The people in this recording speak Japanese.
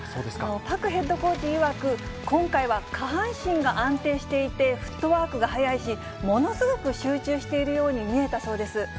パクヘッドコーチいわく、今回は、下半身が安定していて、フットワークが速いし、ものすごく集中しているように見えたそうです。